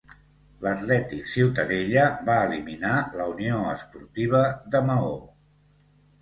L'Atlètic Ciutadella va eliminar la Unió Esportiva de Maó.